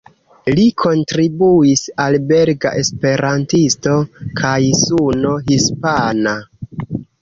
Li kontribuis al "Belga Esperantisto" kaj "Suno Hispana".